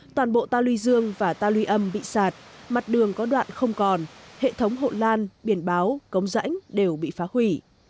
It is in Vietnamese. toàn bộ ta lưu dương và ta luy âm bị sạt mặt đường có đoạn không còn hệ thống hộ lan biển báo cống rãnh đều bị phá hủy